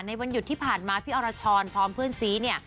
วันหยุดที่ผ่านมาพี่อรชรพร้อมเพื่อนซีเนี่ย